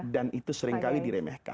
dan itu seringkali diremehkan ya